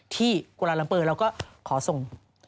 ที่กรุงกุราลัมเปอร์เราก็ขอส่ง